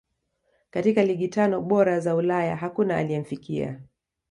katika ligi tano bora za ulaya hakuna aliyemfikia